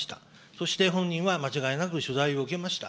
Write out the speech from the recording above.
そして本人は、間違いなく取材を受けました。